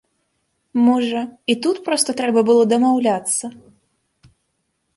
Можа, і тут проста трэба было дамаўляцца?